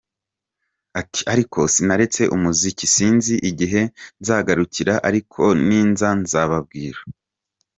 Ati “Ariko sinaretse umuziki, sinzi igihe nzagarukira ariko ninza nzababwira”.